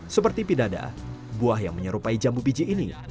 seperti pidada buah yang menyerupai jambu biji ini